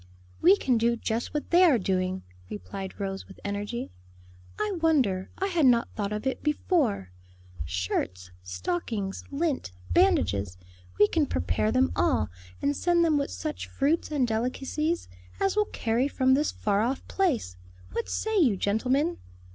"We can do just what they are doing," replied Rose with energy, "I wonder I had not thought of it before; shirts, stockings, lint, bandages, we can prepare them all; and send with them such fruits and delicacies as will carry from this far off place. What say you, gentlemen?"